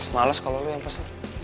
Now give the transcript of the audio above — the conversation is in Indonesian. males kalau lu yang pas